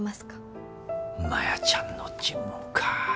マヤちゃんの尋問か。